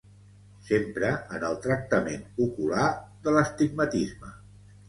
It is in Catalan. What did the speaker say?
S'empra en el tractament ocular de l'astigmatisme.